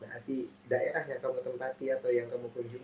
berarti daerah yang kamu tempati atau yang kamu kunjungi